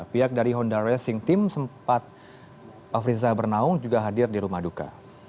pihak dari honda racing team sempat afriza bernaung juga hadir di rumah duka